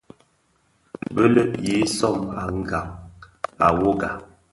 Bèleg yi sóm à gang à wogà.